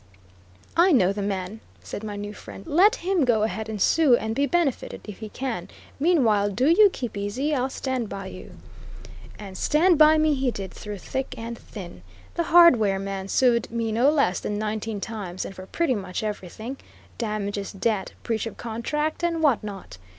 "I know the man," said my new friend; "let him go ahead and sue and be benefited, if he can; meanwhile, do you keep easy; I'll stand by you." And stand by me he did through thick and thin. The hardware man sued me no less than nineteen times, and for pretty much everything damages, debt, breach of contract, and what not.